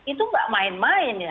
itu nggak main main ya